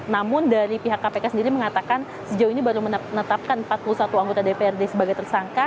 namun dari pihak kpk sendiri mengatakan sejauh ini baru menetapkan empat puluh satu anggota dprd sebagai tersangka